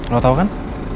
lu tau kan